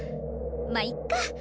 まあいっか！